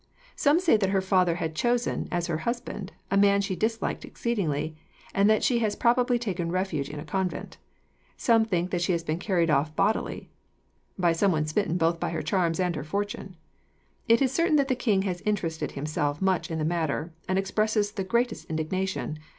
Some say that her father had chosen, as her husband, a man she disliked exceedingly, and that she has probably taken refuge in a convent. Some think that she has been carried off bodily, by someone smitten both by her charms and her fortune. It is certain that the king has interested himself much in the matter, and expresses the greatest indignation.